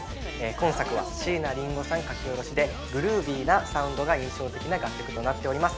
本作は椎名林檎さん書き下ろしで、グルービーなサウンドが印象的な楽曲となっております。